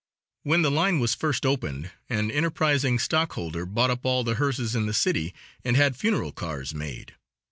When the line was first opened an enterprising stockholder bought up all the hearses in the city and had funeral cars made.